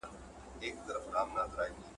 د زړه سوى، د کوني سوى.